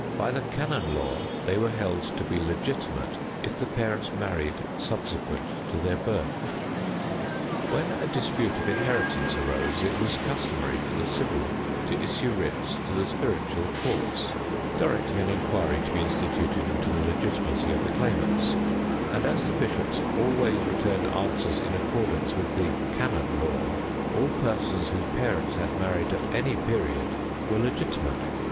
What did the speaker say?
By the canon law they were held to be legitimate if the parents married subsequent to their birth. When a dispute of inheritance arose, it was customary for the civil to issue writs to the spiritual courts, directing an inquiry to be instituted into the legitimacy of the claimants; and as the bishops always returned answers in accordance with the canon law, all persons whose parents had married at any period were legitimate.